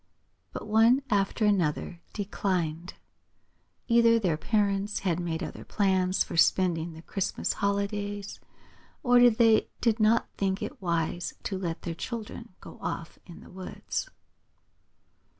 But one after another declined. Either their parents had made other plans for spending the Christmas holidays, or they did not think it wise to let their children go off in the woods.